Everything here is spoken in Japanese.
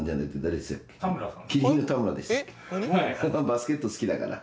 バスケット好きだから。